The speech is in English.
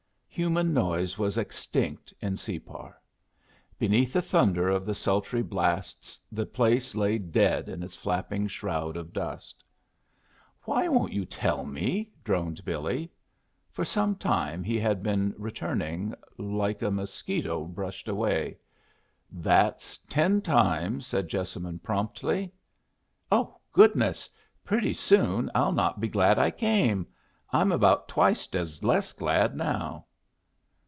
Human noise was extinct in Separ. Beneath the thunder of the sultry blasts the place lay dead in its flapping shroud of dust. "Why won't you tell me?" droned Billy. For some time he had been returning, like a mosquito brushed away. "That's ten times," said Jessamine, promptly. "Oh, goodness! Pretty soon I'll not be glad I came. I'm about twiced as less glad now."